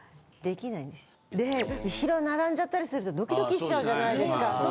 後ろ並んじゃったりするとドキドキしちゃうじゃないですか。